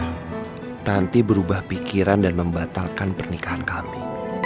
nanti berubah pikiran dan membatalkan pernikahan kami